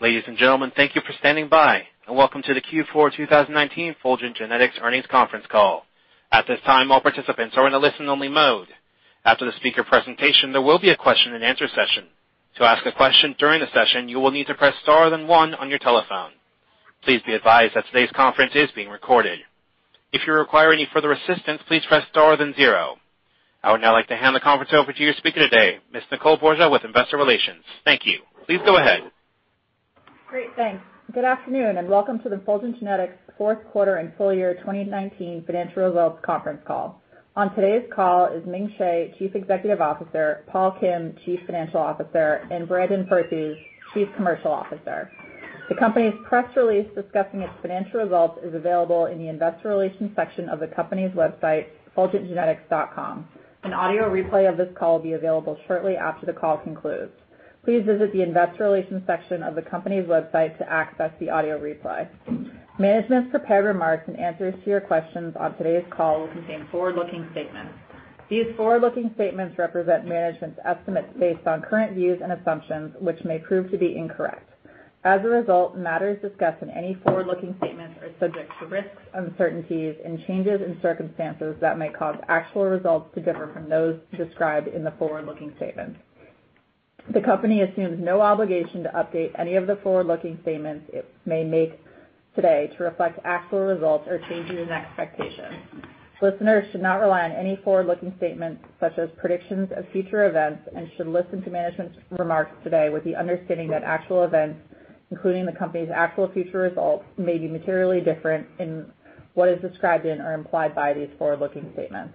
Ladies and gentlemen, thank you for standing by and welcome to the Q4 2019 Fulgent Genetics Earnings Conference Call. At this time, all participants are in a listen-only mode. After the speaker presentation, there will be a question and answer session. To ask a question during the session, you will need to press star then one on your telephone. Please be advised that today's conference is being recorded. If you require any further assistance, please press star then zero. I would now like to hand the conference over to your speaker today, Ms. Nicole Borsje, with investor relations. Thank you. Please go ahead. Great. Thanks. Good afternoon, welcome to the Fulgent Genetics fourth quarter and full year 2019 financial results conference call. On today's call is Ming Hsieh, Chief Executive Officer, Paul Kim, Chief Financial Officer, and Brandon Perthuis, Chief Commercial Officer. The company's press release discussing its financial results is available in the investor relations section of the company's website, fulgentgenetics.com. An audio replay of this call will be available shortly after the call concludes. Please visit the investor relations section of the company's website to access the audio replay. Management's prepared remarks and answers to your questions on today's call will contain forward-looking statements. These forward-looking statements represent management's estimates based on current views and assumptions, which may prove to be incorrect. As a result, matters discussed in any forward-looking statements are subject to risks, uncertainties, and changes in circumstances that may cause actual results to differ from those described in the forward-looking statements. The company assumes no obligation to update any of the forward-looking statements it may make today to reflect actual results or changes in expectations. Listeners should not rely on any forward-looking statements such as predictions of future events, and should listen to management's remarks today with the understanding that actual events, including the company's actual future results, may be materially different in what is described in or implied by these forward-looking statements.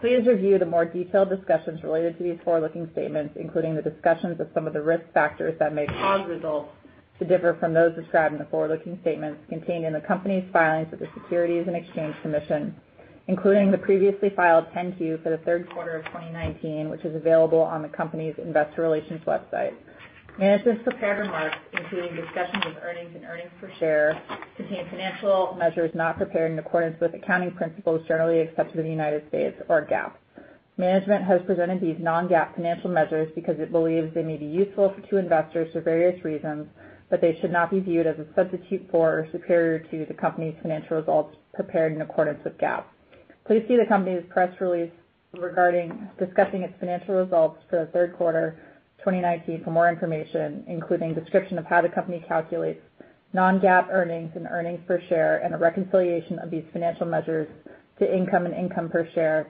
Please review the more detailed discussions related to these forward-looking statements, including the discussions of some of the risk factors that may cause results to differ from those described in the forward-looking statements contained in the company's filings with the Securities and Exchange Commission, including the previously filed 10-Q for the third quarter of 2019, which is available on the company's investor relations website. Management's prepared remarks, including discussions of earnings and earnings per share, contain financial measures not prepared in accordance with accounting principles generally accepted in the United States or GAAP. They should not be viewed as a substitute for or superior to the company's financial results prepared in accordance with GAAP. Please see the company's press release regarding discussing its financial results for the third quarter 2019 for more information, including description of how the company calculates non-GAAP earnings and earnings per share, and a reconciliation of these financial measures to income and income per share,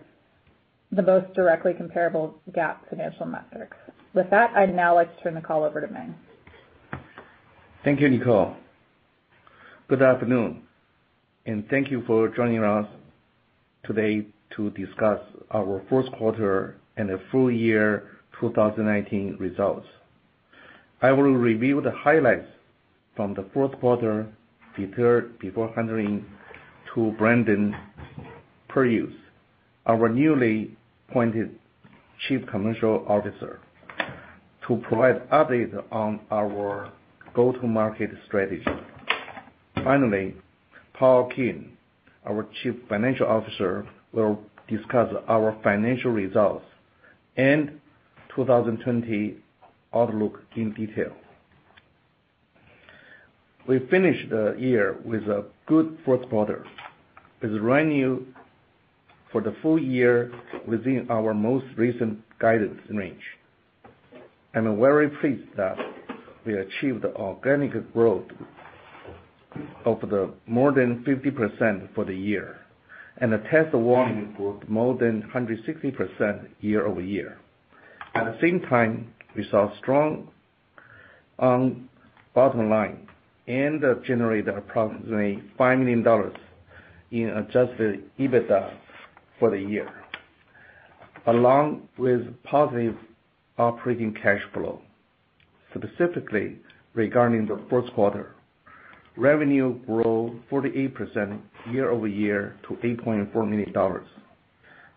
the most directly comparable GAAP financial metrics. With that, I'd now like to turn the call over to Ming. Thank you, Nicole. Good afternoon and thank you for joining us today to discuss our fourth quarter and the full year 2019 results. I will review the highlights from the fourth quarter before handing to Brandon Perthuis, our newly appointed Chief Commercial Officer, to provide update on our go-to-market strategy. Finally, Paul Kim, our Chief Financial Officer, will discuss our financial results and 2020 outlook in detail. We finished the year with a good fourth quarter, with revenue for the full year within our most recent guidance range. I'm very pleased that we achieved organic growth of more than 50% for the year, and the test volume grew more than 160% year-over-year. At the same time, we saw strong bottom line and generated approximately $5 million in adjusted EBITDA for the year, along with positive operating cash flow. Specifically regarding the fourth quarter, revenue grew 48% year-over-year to $8.4 million.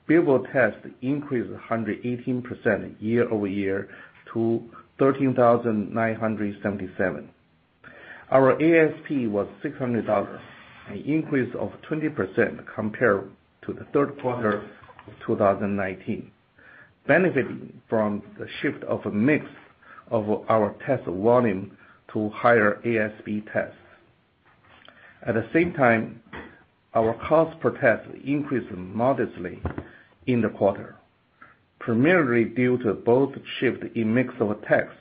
Billable tests increased 118% year-over-year to 13,977. Our ASP was $600, an increase of 20% compared to the third quarter of 2019, benefiting from the shift of mix of our test volume to higher ASP tests. At the same time, our cost per test increased modestly in the quarter, primarily due to both shift in mix of tests,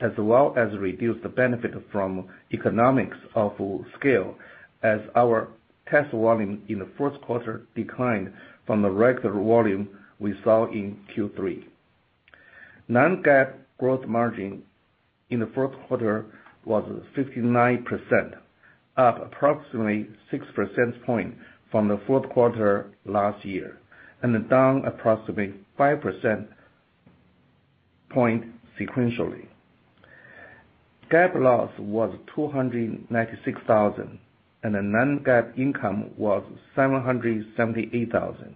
as well as reduced benefit from economics of scale as our test volume in the fourth quarter declined from the record volume we saw in Q3. Non-GAAP gross margin in the fourth quarter was 59%, up approximately six percentage points from the fourth quarter last year, and down approximately five percentage points sequentially. GAAP loss was $296,000 and the non-GAAP income was $778,000.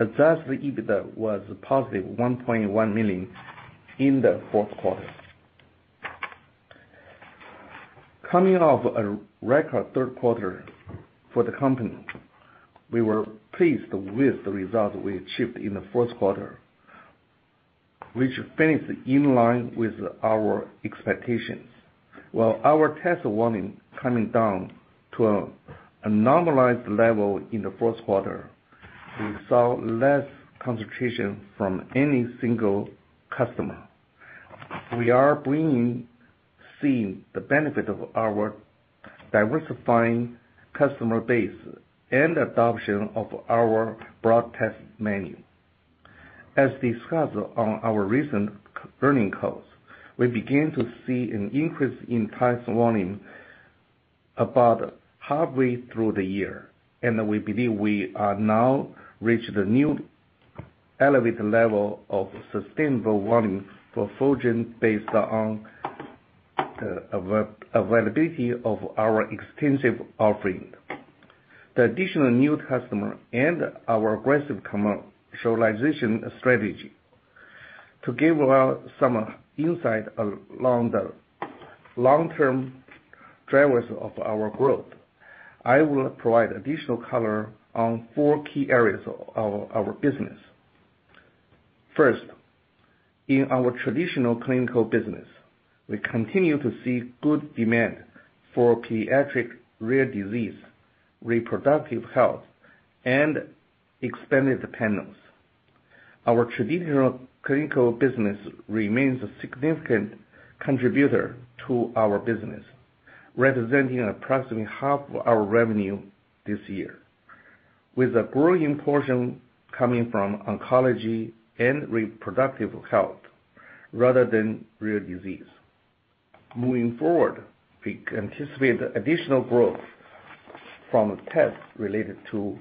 Adjusted EBITDA was a positive $1.1 million in the fourth quarter. Coming off a record third quarter for the company, we were pleased with the result we achieved in the fourth quarter, which finished in line with our expectations. While our test volume coming down to a normalized level in the first quarter, we saw less concentration from any single customer. We have seen the benefit of our diversifying customer base and adoption of our broad test menu. As discussed on our recent earnings calls, we begin to see an increase in test volume about halfway through the year, and we believe we are now reached a new elevated level of sustainable volume for Fulgent based on the availability of our extensive offering, the additional new customer and our aggressive commercialization strategy. To give some insight along the long-term drivers of our growth, I will provide additional color on four key areas of our business. In our traditional clinical business, we continue to see good demand for pediatric rare disease, reproductive health, and expanded panels. Our traditional clinical business remains a significant contributor to our business, representing approximately half of our revenue this year, with a growing portion coming from oncology and reproductive health rather than rare disease. Moving forward, we anticipate additional growth from tests related to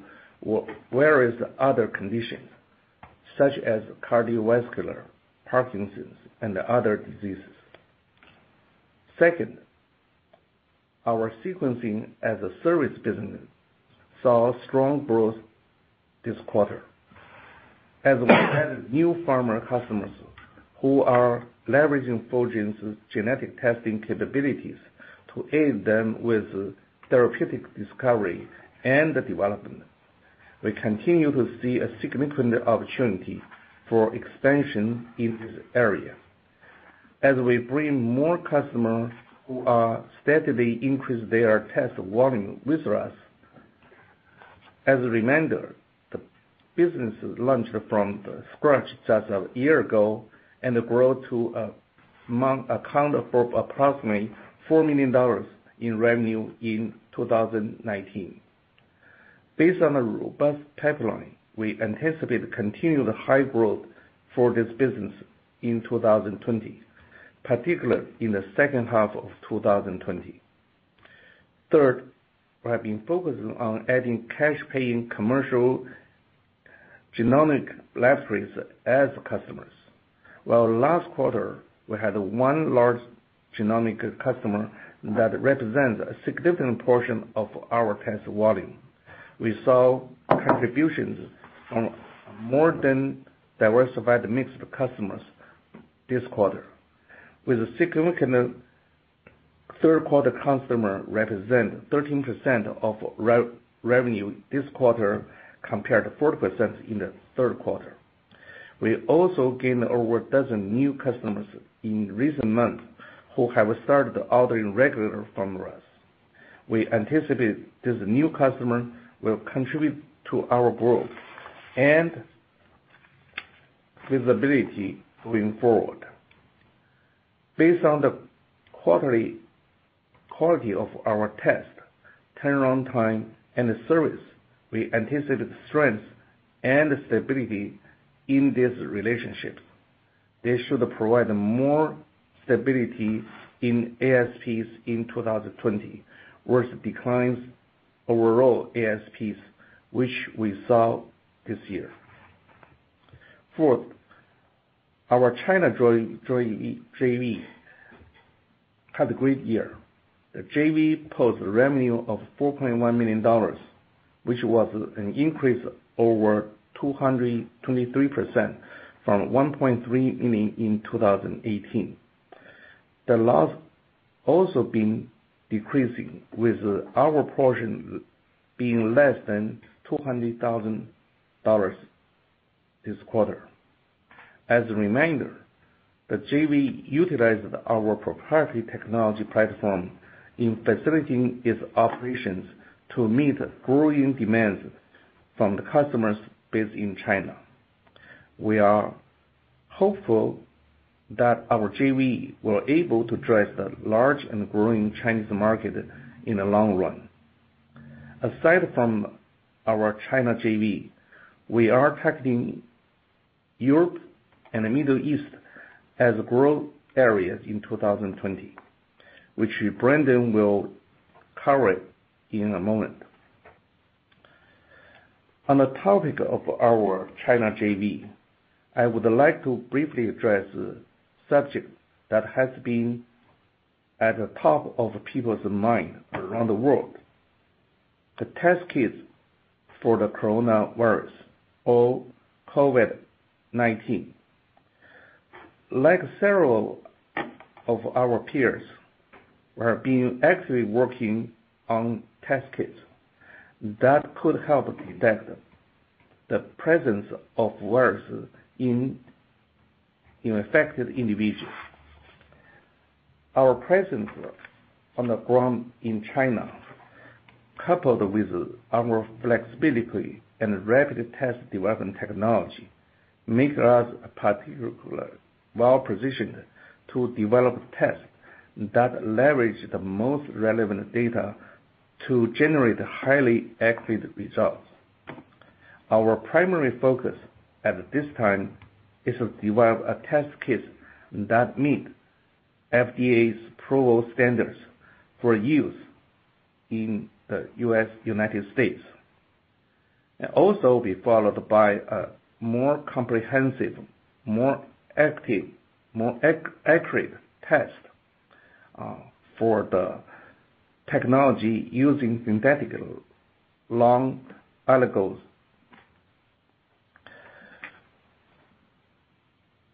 various other conditions such as cardiovascular, Parkinson's, and other diseases. Our sequencing as a service business saw strong growth this quarter as we added new pharma customers who are leveraging Fulgent's genetic testing capabilities to aid them with therapeutic discovery and development. We continue to see a significant opportunity for expansion in this area as we bring more customers who are steadily increase their test volume with us. As a reminder, the business launched from scratch just a year ago and grew to account for approximately $4 million in revenue in 2019. Based on a robust pipeline, we anticipate continued high growth for this business in 2020, particularly in the second half of 2020. Third, we have been focusing on adding cash-paying commercial genomic laboratories as customers. While last quarter we had one large genomic customer that represents a significant portion of our test volume. We saw contributions from a more diversified mix of customers this quarter, with a significant third-quarter customer represent 13% of revenue this quarter compared to 40% in the third quarter. We also gained over a dozen new customers in recent months who have started ordering regular from us. We anticipate this new customer will contribute to our growth and visibility going forward. Based on the quarterly quality of our test, turnaround time, and service, we anticipate strength and stability in this relationship. They should provide more stability in ASPs in 2020, whereas it declines overall ASPs, which we saw this year. Fourth, our China JV had a great year. The JV posted revenue of $4.1 million, which was an increase over 223% from $1.3 in 2018. The loss also been decreasing, with our portion being less than $200,000 this quarter. As a reminder, the JV utilized our proprietary technology platform in facilitating its operations to meet growing demands from the customers based in China. We are hopeful that our JV will able to address the large and growing Chinese market in the long run. Aside from our China JV, we are targeting Europe and the Middle East as growth areas in 2020, which Brandon will cover in a moment. On the topic of our China JV, I would like to briefly address a subject that has been at the top of people's mind around the world, the test kits for the coronavirus or COVID-19. Like several of our peers are being actively working on test kits that could help detect the presence of virus in affected individuals. Our presence on the ground in China, coupled with our flexibility and rapid test development technology, makes us particularly well-positioned to develop tests that leverage the most relevant data to generate highly accurate results. Our primary focus at this time is to develop a test kit that meet FDA's approval standards for use in the United States. Also be followed by a more comprehensive, more active, more accurate test for the technology using synthetic long oligos.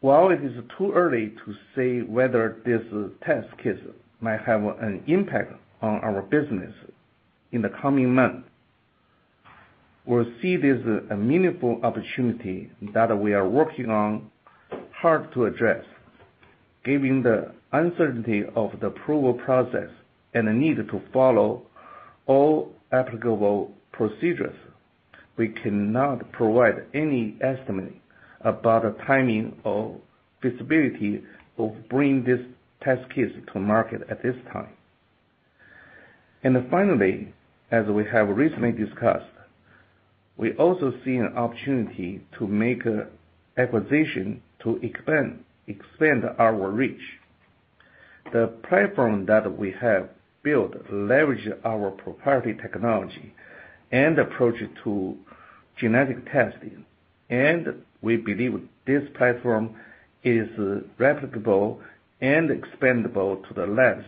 While it is too early to say whether this test kit might have an impact on our business in the coming months, we see it as a meaningful opportunity that we are working on hard to address. Given the uncertainty of the approval process and the need to follow all applicable procedures, we cannot provide any estimate about the timing or feasibility of bringing this test kit to market at this time. Finally, as we have recently discussed, we also see an opportunity to make acquisitions to expand our reach. The platform that we have built leverages our proprietary technology and approach to genetic testing, We believe this platform is replicable and expandable to the labs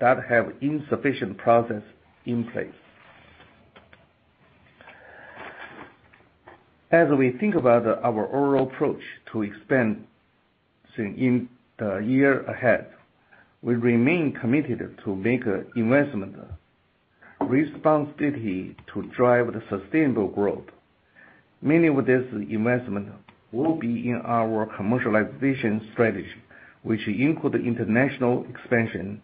that have insufficient processes in place. As we think about our overall approach to expand in the year ahead, we remain committed to make investments responsibly to drive the sustainable growth. Many of this investment will be in our commercialization strategy, which include international expansion,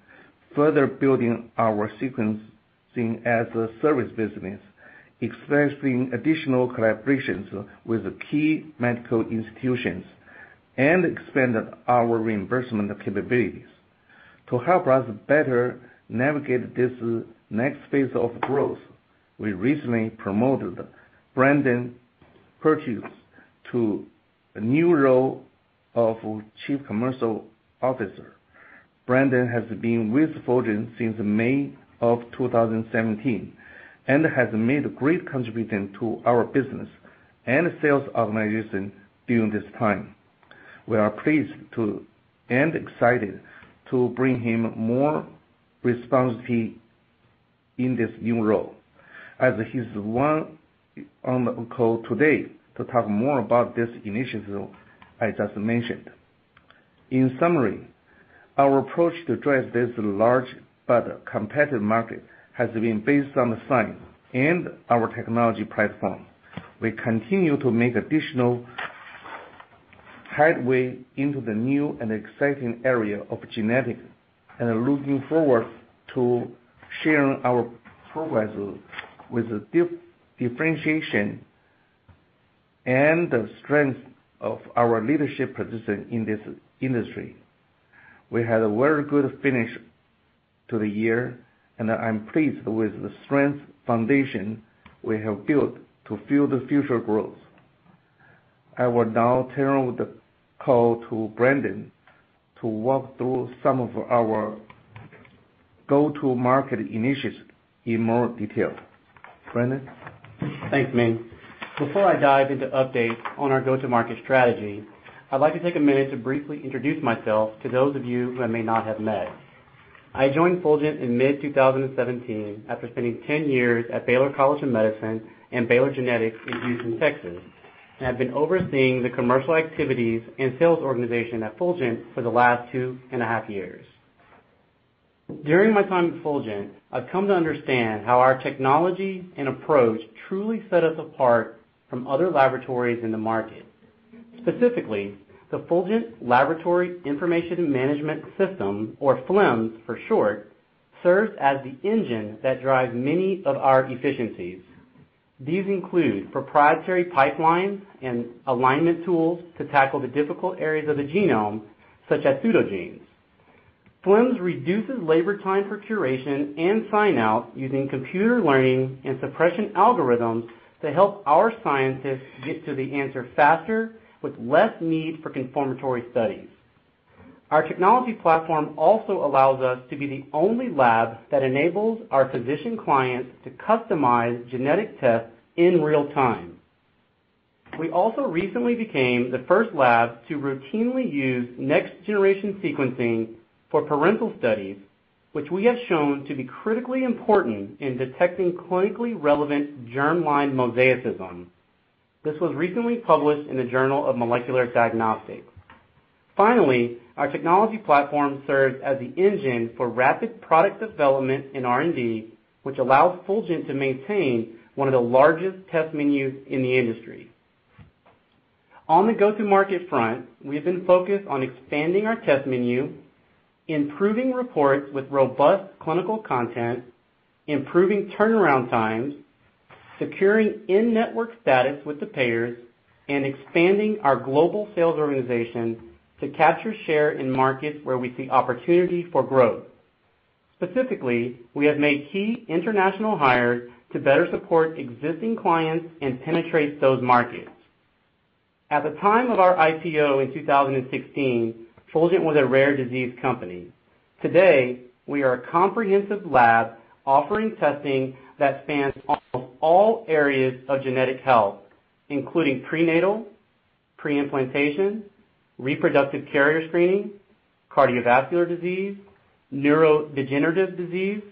further building our sequencing as a service business, expanding additional collaborations with key medical institutions, and expand our reimbursement capabilities. To help us better navigate this next phase of growth, we recently promoted Brandon Perthuis to a new role of Chief Commercial Officer. Brandon has been with Fulgent since May of 2017 and has made great contribution to our business and sales organization during this time. We are pleased and excited to bring him more responsibility in this new role, as he's the one on the call today to talk more about this initiative I just mentioned. In summary, our approach to address this large but competitive market has been based on science and our technology platform. We continue to make additional headway into the new and exciting area of genetics, and are looking forward to sharing our progress with the differentiation and the strength of our leadership position in this industry. We had a very good finish to the year, and I'm pleased with the strength foundation we have built to fuel the future growth. I will now turn the call to Brandon to walk through some of our go-to market initiatives in more detail. Brandon? Thanks, Ming. Before I dive into updates on our go-to-market strategy, I'd like to take a minute to briefly introduce myself to those of you who I may not have met. I joined Fulgent in mid-2017 after spending 10 years at Baylor College of Medicine and Baylor Genetics in Houston, Texas, and have been overseeing the commercial activities and sales organization at Fulgent for the last two and a half years. During my time at Fulgent, I've come to understand how our technology and approach truly set us apart from other laboratories in the market. Specifically, the Fulgent Laboratory Information Management System, or FLIMS for short, serves as the engine that drives many of our efficiencies. These include proprietary pipelines and alignment tools to tackle the difficult areas of the genome, such as pseudogenes. FLIMS reduces labor time for curation and sign-out using computer learning and suppression algorithms to help our scientists get to the answer faster with less need for confirmatory studies. Our technology platform also allows us to be the only lab that enables our physician clients to customize genetic tests in real time. We also recently became the first lab to routinely use next-generation sequencing for parental studies, which we have shown to be critically important in detecting clinically relevant germline mosaicism. This was recently published in The Journal of Molecular Diagnostics. Finally, our technology platform serves as the engine for rapid product development in R&D, which allows Fulgent to maintain one of the largest test menus in the industry. On the go-to-market front, we have been focused on expanding our test menu, improving reports with robust clinical content, improving turnaround times, securing in-network status with the payers, and expanding our global sales organization to capture share in markets where we see opportunity for growth. Specifically, we have made key international hires to better support existing clients and penetrate those markets. At the time of our IPO in 2016, Fulgent was a rare disease company. Today, we are a comprehensive lab offering testing that spans almost all areas of genetic health, including prenatal, pre-implantation, reproductive carrier screening, cardiovascular disease, neurodegenerative disease,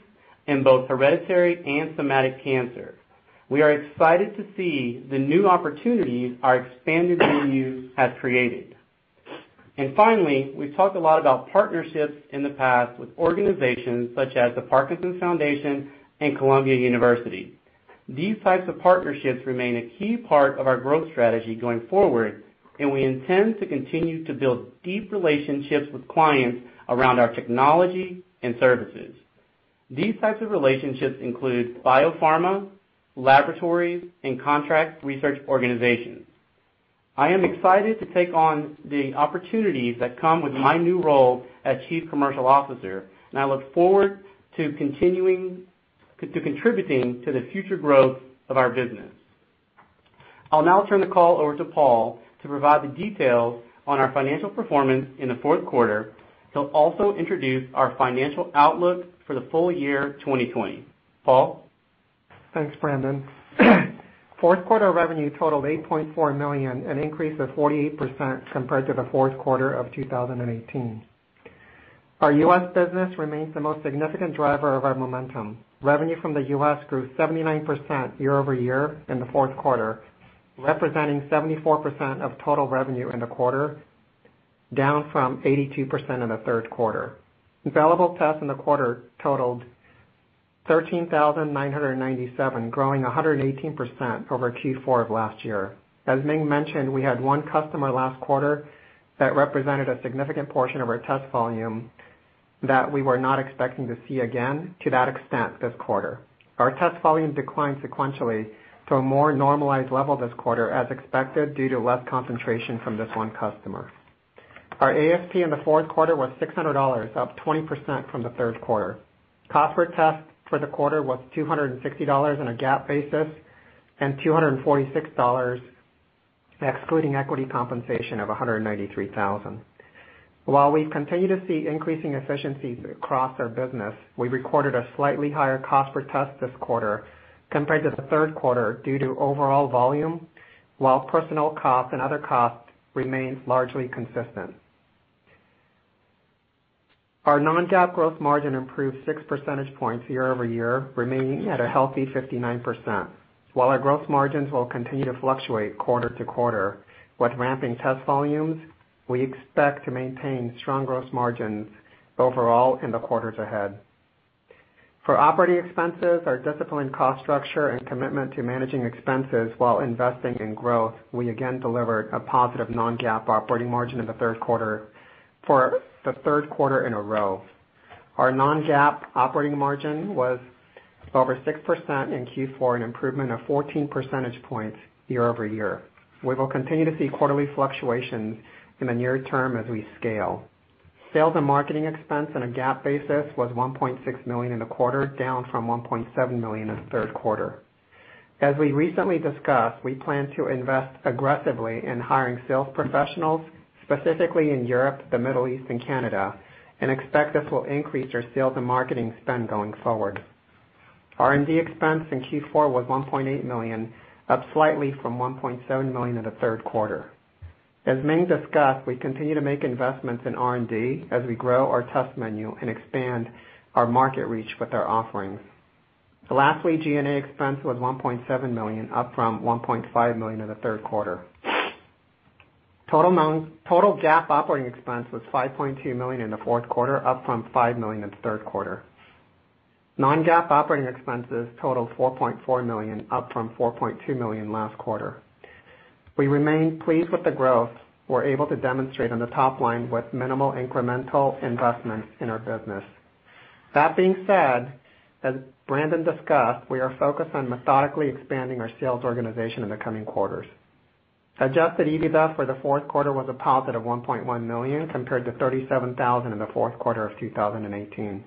and both hereditary and somatic cancer. Finally, we've talked a lot about partnerships in the past with organizations such as the Parkinson's Foundation and Columbia University. These types of partnerships remain a key part of our growth strategy going forward, and I intend to continue to build deep relationships with clients around our technology and services. These types of relationships include BioPharma, laboratories, and contract research organizations. I am excited to take on the opportunities that come with my new role as Chief Commercial Officer, and I look forward to contributing to the future growth of our business. I'll now turn the call over to Paul to provide the details on our financial performance in the fourth quarter. He'll also introduce our financial outlook for the full year 2020. Paul? Thanks, Brandon. Fourth quarter revenue totaled $8.4 million, an increase of 48% compared to the fourth quarter of 2018. Our U.S. business remains the most significant driver of our momentum. Revenue from the U.S. grew 79% year-over-year in the fourth quarter, representing 74% of total revenue in the quarter, down from 82% in the third quarter. Available tests in the quarter totaled 13,997, growing 118% over Q4 of last year. As Ming mentioned, we had one customer last quarter that represented a significant portion of our test volume that we were not expecting to see again to that extent this quarter. Our test volume declined sequentially to a more normalized level this quarter as expected due to less concentration from this one customer. Our ASP in the fourth quarter was $600, up 20% from the third quarter. Cost per test for the quarter was $260 on a GAAP basis and $246 excluding equity compensation of $193,000. While we continue to see increasing efficiencies across our business, we recorded a slightly higher cost per test this quarter compared to the third quarter due to overall volume, while personal costs and other costs remained largely consistent. Our non-GAAP gross margin improved 6 percentage points year-over-year, remaining at a healthy 59%. While our gross margins will continue to fluctuate quarter-to-quarter, with ramping test volumes, we expect to maintain strong gross margins overall in the quarters ahead. For operating expenses, our disciplined cost structure and commitment to managing expenses while investing in growth, we again delivered a positive non-GAAP operating margin in the third quarter for the third quarter in a row. Our non-GAAP operating margin was over 6% in Q4, an improvement of 14 percentage points year-over-year. We will continue to see quarterly fluctuations in the near term as we scale. Sales and marketing expense on a GAAP basis was $1.6 million in the quarter, down from $1.7 million in the third quarter. As we recently discussed, we plan to invest aggressively in hiring sales professionals, specifically in Europe, the Middle East, and Canada, expect this will increase our sales and marketing spend going forward. R&D expense in Q4 was $1.8 million, up slightly from $1.7 million in the third quarter. As Ming discussed, we continue to make investments in R&D as we grow our test menu and expand our market reach with our offerings. Lastly, G&A expense was $1.7 million, up from $1.5 million in the third quarter. Total GAAP operating expense was $5.2 million in the fourth quarter, up from $5 million in the third quarter. Non-GAAP operating expenses totaled $4.4 million, up from $4.2 million last quarter. We remain pleased with the growth we're able to demonstrate on the top line with minimal incremental investments in our business. That being said, as Brandon discussed, we are focused on methodically expanding our sales organization in the coming quarters. Adjusted EBITDA for the fourth quarter was a positive $1.1 million, compared to $37,000 in the fourth quarter of 2018.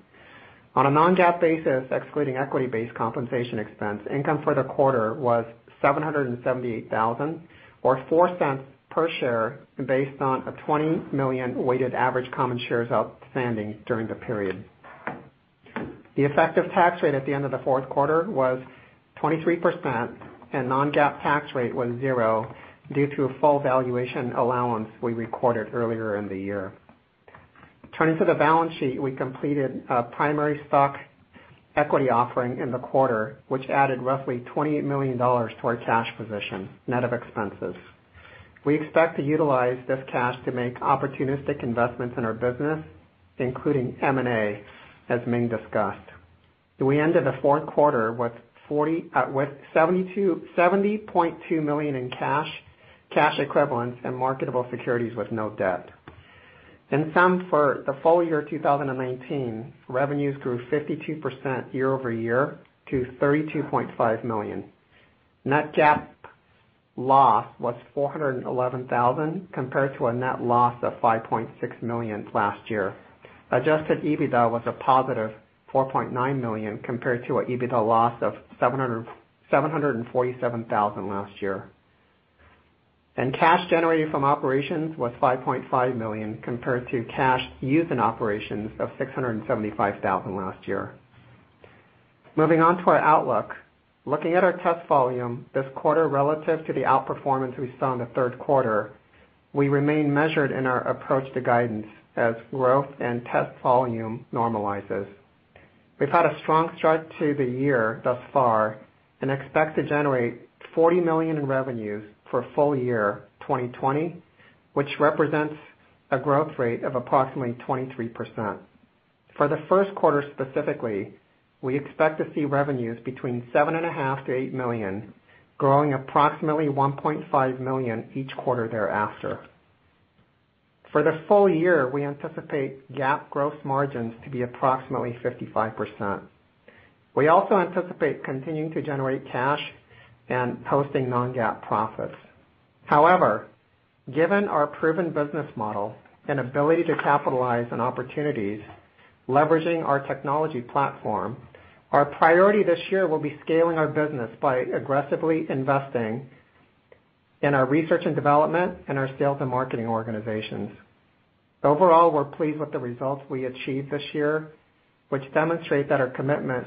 On a non-GAAP basis, excluding equity-based compensation expense, income for the quarter was $778,000 or $0.04 per share based on a 20 million weighted average common shares outstanding during the period. The effective tax rate at the end of the fourth quarter was 23%, and non-GAAP tax rate was zero due to a full valuation allowance we recorded earlier in the year. Turning to the balance sheet, we completed a primary stock equity offering in the quarter, which added roughly $28 million to our cash position net of expenses. We expect to utilize this cash to make opportunistic investments in our business, including M&A, as Ming discussed. We ended the fourth quarter with $70.2 million in cash equivalents, and marketable securities with no debt. In sum for the full year 2019, revenues grew 52% year-over-year to $32.5 million. Net GAAP loss was $411,000 compared to a net loss of $5.6 million last year. Adjusted EBITDA was a positive $4.9 million compared to an EBITDA loss of $747,000 last year. Cash generated from operations was $5.5 million compared to cash used in operations of $675,000 last year. Moving on to our outlook. Looking at our test volume this quarter relative to the outperformance we saw in the third quarter, we remain measured in our approach to guidance as growth and test volume normalizes. We've had a strong start to the year thus far and expect to generate $40 million in revenues for full year 2020, which represents a growth rate of approximately 23%. For the first quarter specifically, we expect to see revenues between seven and a half to $8 million, growing approximately $1.5 million each quarter thereafter. For the full year, we anticipate GAAP gross margins to be approximately 55%. We also anticipate continuing to generate cash and posting non-GAAP profits. However, given our proven business model and ability to capitalize on opportunities leveraging our technology platform, our priority this year will be scaling our business by aggressively investing in our research and development and our sales and marketing organizations. Overall, we're pleased with the results we achieved this year, which demonstrate that our commitment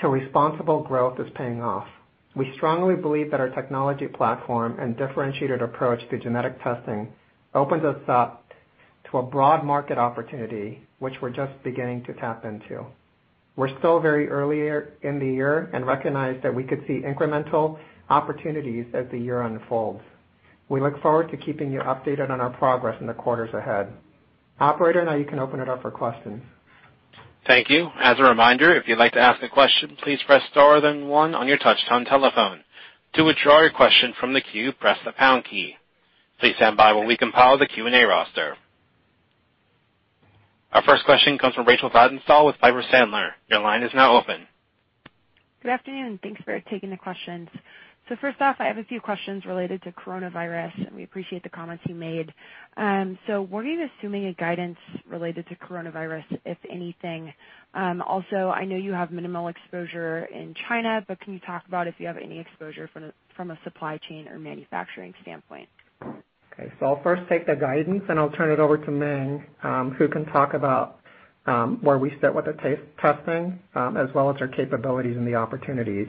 to responsible growth is paying off. We strongly believe that our technology platform and differentiated approach to genetic testing opens us up to a broad market opportunity, which we're just beginning to tap into. We're still very early in the year and recognize that we could see incremental opportunities as the year unfolds. We look forward to keeping you updated on our progress in the quarters ahead. Operator, now you can open it up for questions. Thank you. As a reminder, if you'd like to ask a question, please press star then one on your touchtone telephone. To withdraw your question from the queue, press the pound key. Please stand by while we compile the Q&A roster. Our first question comes from Rachel Vatnsdal with Piper Sandler. Your line is now open. Good afternoon, and thanks for taking the questions. First off, I have a few questions related to coronavirus, and we appreciate the comments you made. Were you assuming a guidance related to coronavirus, if anything? I know you have minimal exposure in China, but can you talk about if you have any exposure from a supply chain or manufacturing standpoint? Okay. I'll first take the guidance, and I'll turn it over to Ming, who can talk about where we sit with the testing, as well as our capabilities and the opportunities.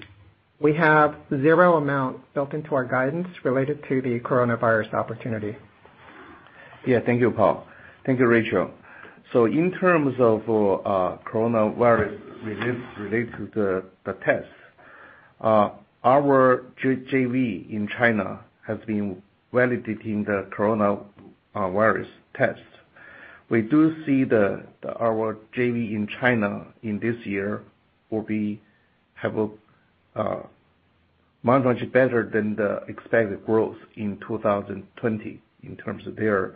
We have zero amount built into our guidance related to the coronavirus opportunity. Thank you, Paul. Thank you, Rachel. In terms of coronavirus related to the test, our JV in China has been validating the coronavirus tests. We do see that our JV in China in this year will have much better than the expected growth in 2020 in terms of their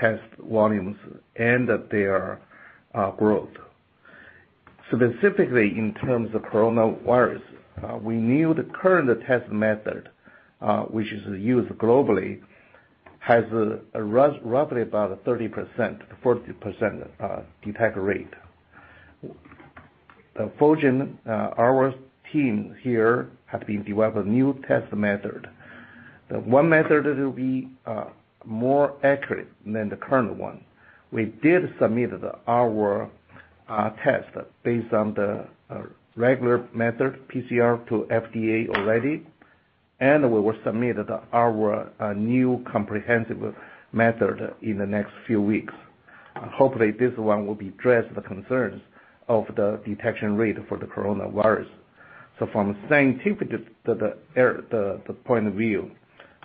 test volumes and their growth. Specifically in terms of coronavirus, we knew the current test method, which is used globally, has roughly about 30%-40% detect rate. At Fulgent, our team here have been developing new test method. The one method that will be more accurate than the current one. We did submit our test based on the regular method, PCR to FDA already, and we will submit our new comprehensive method in the next few weeks. Hopefully, this one will address the concerns of the detection rate for the coronavirus. From the scientific point of view,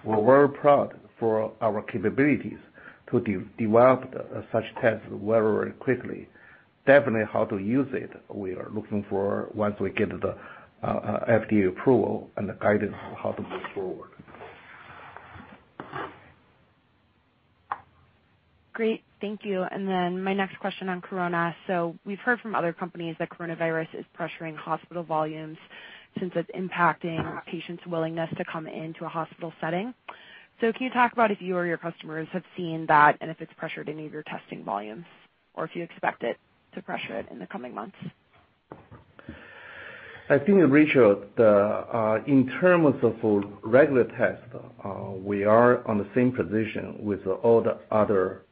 we're very proud for our capabilities to develop such tests very quickly. Definitely how to use it, we are looking for once we get the FDA approval and the guidance on how to move forward. Great. Thank you. My next question on corona. We've heard from other companies that coronavirus is pressuring hospital volumes since it's impacting patients' willingness to come into a hospital setting. Can you talk about if you or your customers have seen that and if it's pressured any of your testing volumes or if you expect it to pressure it in the coming months? I think, Rachel, in terms of regular test, we are on the same position with all the other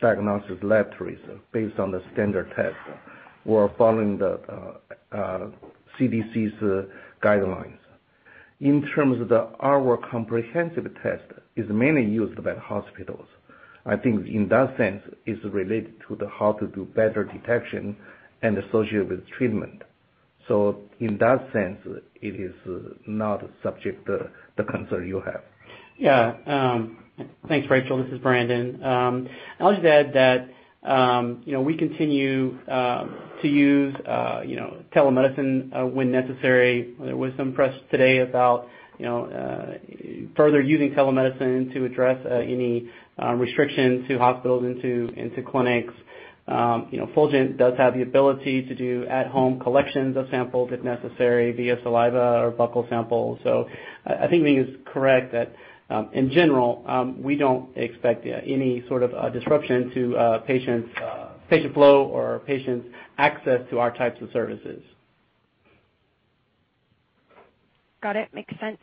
diagnostic laboratories based on the standard test. We're following the CDC's guidelines. In terms of our comprehensive test is mainly used by hospitals. I think in that sense, it's related to how to do better detection and associate with treatment. In that sense, it is not subject to the concern you have. Thanks, Rachel. This is Brandon. I'll just add that we continue to use telemedicine when necessary. There was some press today about further using telemedicine to address any restrictions to hospitals into clinics. Fulgent does have the ability to do at-home collections of samples if necessary, via saliva or buccal samples. I think Ming is correct that, in general, we don't expect any sort of disruption to patient flow or patient access to our types of services. Got it. Makes sense.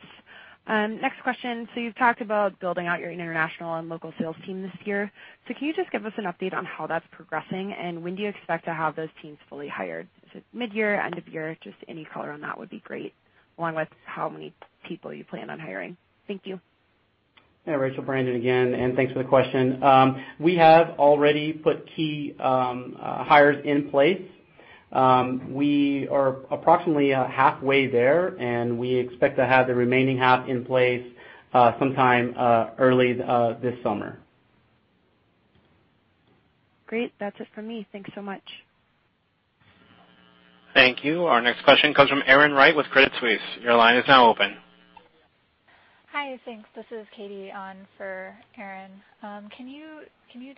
Next question. You've talked about building out your international and local sales team this year. Can you just give us an update on how that's progressing, and when do you expect to have those teams fully hired? Is it mid-year, end of year? Just any color on that would be great, along with how many people you plan on hiring. Thank you. Yeah, Rachel, Brandon again, and thanks for the question. We have already put key hires in place. We are approximately halfway there. We expect to have the remaining half in place sometime early this summer. Great. That's it from me. Thanks so much. Thank you. Our next question comes from Erin Wright with Credit Suisse. Your line is now open. Hi. Thanks. This is Katie on for Erin. Can you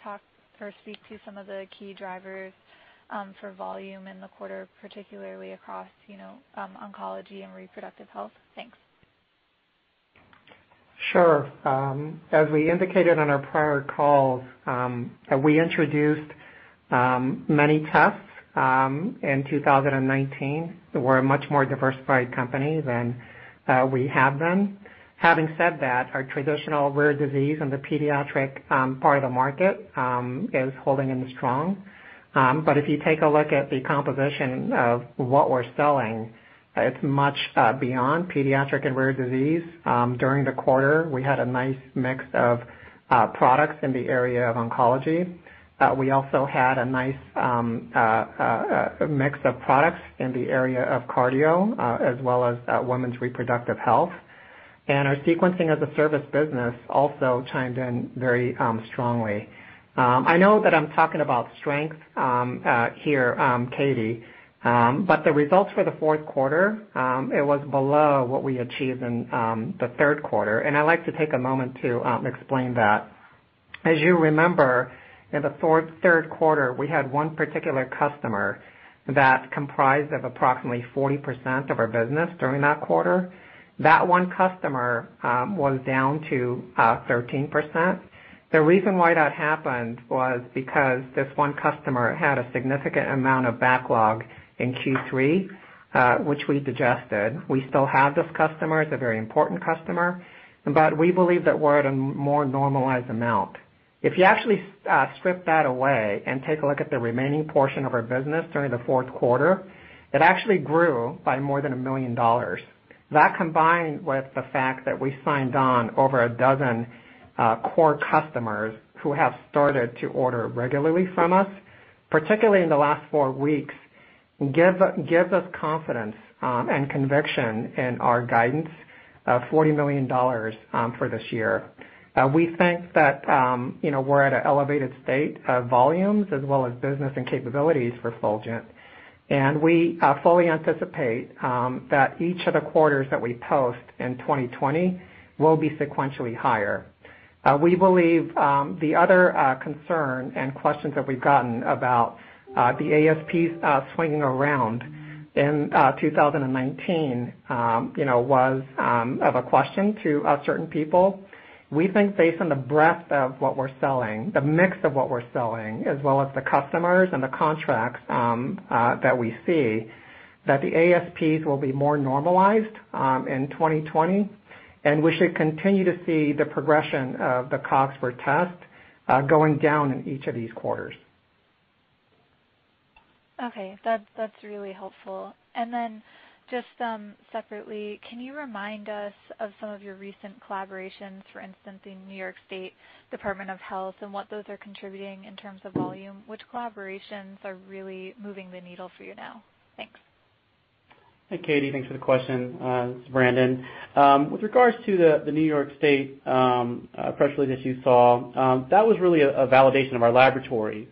talk or speak to some of the key drivers for volume in the quarter, particularly across oncology and reproductive health? Thanks. Sure. As we indicated on our prior calls, we introduced many tests in 2019. We're a much more diversified company than we have been. Having said that, our traditional rare disease and the pediatric part of the market is holding in strong. If you take a look at the composition of what we're selling, it's much beyond pediatric and rare disease. During the quarter, we had a nice mix of products in the area of oncology. We also had a nice mix of products in the area of cardio, as well as women's reproductive health. Our sequencing as a service business also chimed in very strongly. I know that I'm talking about strength here, Katie, but the results for the fourth quarter, it was below what we achieved in the third quarter, and I'd like to take a moment to explain that. As you remember, in the third quarter, we had one particular customer that comprised of approximately 40% of our business during that quarter. That one customer was down to 13%. The reason why that happened was because this one customer had a significant amount of backlog in Q3, which we digested. We still have this customer. It's a very important customer, but we believe that we're at a more normalized amount. If you actually strip that away and take a look at the remaining portion of our business during the fourth quarter, it actually grew by more than $1 million. That, combined with the fact that we signed on over a dozen core customers who have started to order regularly from us, particularly in the last four weeks, gives us confidence and conviction in our guidance of $40 million for this year. We think that we're at an elevated state of volumes as well as business and capabilities for Fulgent, and we fully anticipate that each of the quarters that we post in 2020 will be sequentially higher. We believe the other concern and questions that we've gotten about the ASPs swinging around in 2019 was of a question to certain people. We think based on the breadth of what we're selling, the mix of what we're selling, as well as the customers and the contracts that we see, that the ASPs will be more normalized in 2020, and we should continue to see the progression of the cost per test going down in each of these quarters. Okay. That's really helpful. Just separately, can you remind us of some of your recent collaborations, for instance, the New York State Department of Health, and what those are contributing in terms of volume? Which collaborations are really moving the needle for you now? Thanks. Hi, Katie. Thanks for the question. This is Brandon. With regards to the New York State press release that you saw, that was really a validation of our laboratory.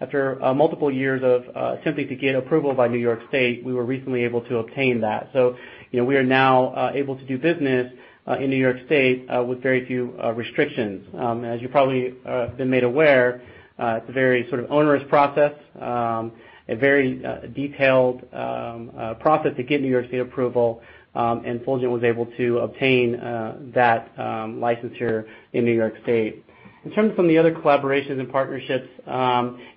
After multiple years of attempting to get approval by New York State, we were recently able to obtain that. We are now able to do business in New York State with very few restrictions. As you've probably been made aware, it's a very onerous process, a very detailed process to get New York State approval, and Fulgent was able to obtain that license here in New York State. In terms of some of the other collaborations and partnerships,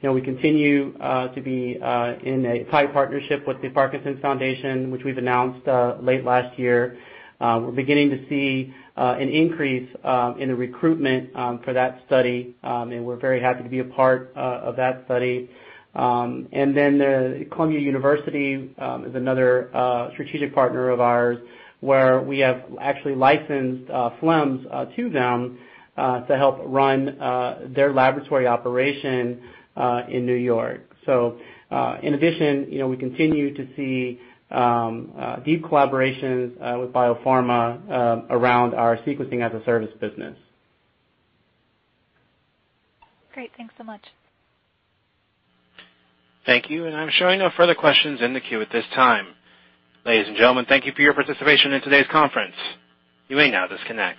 we continue to be in a tight partnership with the Parkinson's Foundation, which we've announced late last year. We're beginning to see an increase in the recruitment for that study, and we're very happy to be a part of that study. Columbia University is another strategic partner of ours, where we have actually licensed FLIMS to them to help run their laboratory operation in New York. In addition, we continue to see deep collaborations with BioPharma around our sequencing as a service business. Great. Thanks so much. Thank you. I'm showing no further questions in the queue at this time. Ladies and gentlemen, thank you for your participation in today's conference. You may now disconnect.